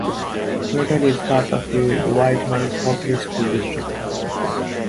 Fullerton is part of the Whitehall-Coplay School District.